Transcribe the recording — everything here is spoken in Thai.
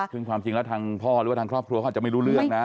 ซึ่งความจริงแล้วทางพ่อหรือว่าทางครอบครัวเขาอาจจะไม่รู้เรื่องนะ